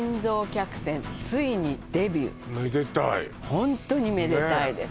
めでたいホントにめでたいです